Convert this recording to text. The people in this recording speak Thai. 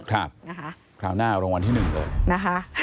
ครับนะคะคราวหน้ารางวัลที่หนึ่งเลยนะคะ